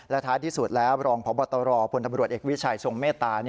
ท้ายที่สุดแล้วรองพบตรพลตำรวจเอกวิชัยทรงเมตตา